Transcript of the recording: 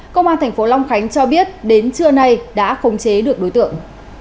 công an tp long khánh cho biết đến trưa nay đã khống chế được đối tượng